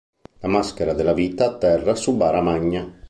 La maschera della vita atterra su Bara Magna.